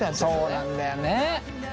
そうなんだよね。